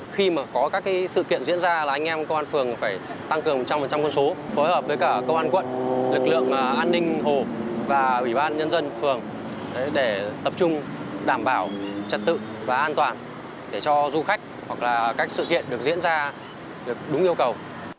khi mà có các sự kiện diễn ra là anh em công an phường phải tăng cường một trăm linh quân số phối hợp với cả công an quận lực lượng an ninh hồ và ủy ban nhân dân phường để tập trung đảm bảo trật tự và an toàn để cho du khách hoặc là các sự kiện được diễn ra được đúng yêu cầu